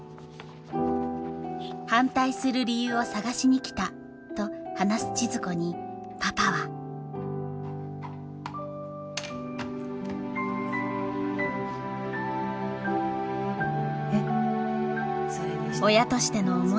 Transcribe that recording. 反対する理由を探しに来たと話す千鶴子にパパはえっ。